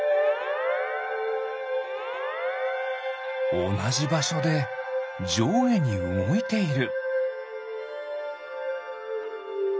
おなじばしょでじょうげにうごいている。